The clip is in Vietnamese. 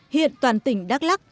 hiện toàn tỉnh đắk lắk